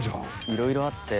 いろいろあって。